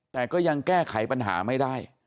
แต่ก็ยังแก้ไขปัญหาไม่ได้